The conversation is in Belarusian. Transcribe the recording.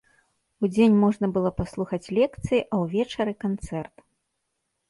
Удзень можна было паслухаць лекцыі, а ўвечары канцэрт.